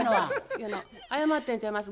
いやな謝ってんちゃいます。